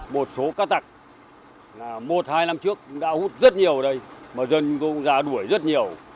một số cá tạc một hai năm trước đã hút rất nhiều ở đây mà dân cũng ra đuổi rất nhiều